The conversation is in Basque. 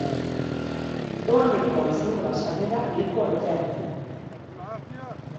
Doanekoa izango da sarrera lekua bete arte.